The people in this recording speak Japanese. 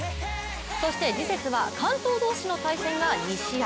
そして次節は関東同士の対決が２試合。